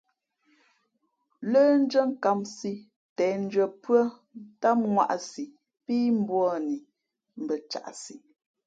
Lə́ndʉ́ά nkāmsī těndʉ̄ᾱ pʉ́ά tám ŋwāꞌsī pí mbūαni mbα caʼsi.